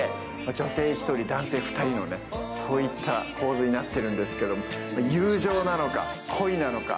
女性１人、男性２人の構図になっているんですけれども、友情なのか恋なのか。